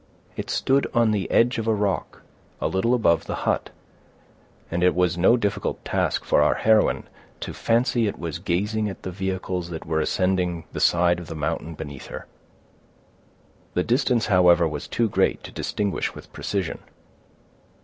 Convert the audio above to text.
It stood on the edge of a rock, a little above the hut, and it was no difficult task for our heroine to fancy it was gazing at the vehicles that were ascending the side of the mountain beneath her. The distance, however, was too great to distinguish with precision.